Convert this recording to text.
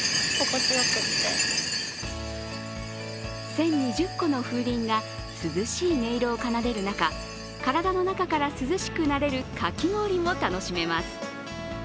１０２０個の風鈴が涼しい音色を奏でる中、体の中から涼しくなれるかき氷も楽しめます。